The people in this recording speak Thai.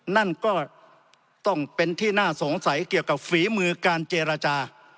นั่นก็ต้องเป็นที่น่าสงสัยเกี่ยวกับฝีมือการเจรจา